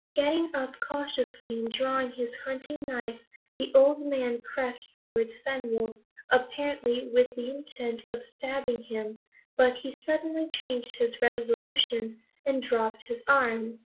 Getting up cautiously, and drawing his hunting knife, the old man crept towards Fenwolf, apparently with the intent of stabbing him, but he suddenly changed his resolution, and dropped his arm.